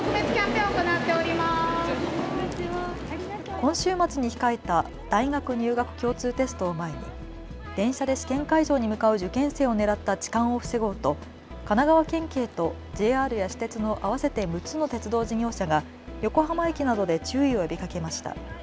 今週末に控えた大学入学共通テストを前に電車で試験会場に向かう受験生を狙った痴漢を防ごうと神奈川県警とＪＲや私鉄の合わせて６つの鉄道事業者が横浜駅などで注意を呼びかけました。